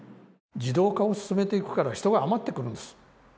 自動化を進めていくから人が余ってくるんです